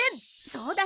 そうだね。